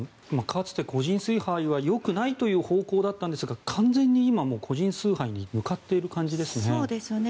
かつて個人崇拝はよくないという方向だったんですが完全に今、個人崇拝に向かっている感じですね。